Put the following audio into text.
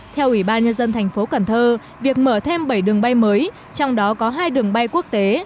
theo ủy ban nhân dân tp cnh việc mở thêm bảy đường bay mới trong đó có hai đường bay quốc tế